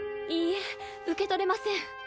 いいえ受け取れません。